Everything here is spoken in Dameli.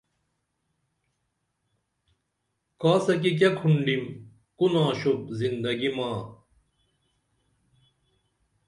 کاسہ کی کیہ کُھنڈِم کو ناشوپ زندگی ما